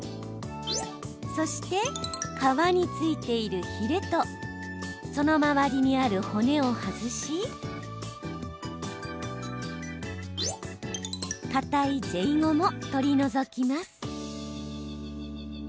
そして、皮に付いているヒレとその周りにある骨を外しかたいゼイゴも取り除きます。